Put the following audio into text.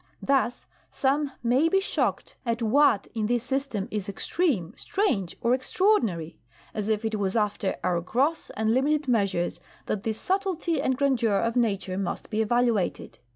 Thus some may be shocked at what in this system is extreme, strange, or extraordinary—as if it was after our gross and limited measures that the subtlety and grandeur of Nature must be evaluated!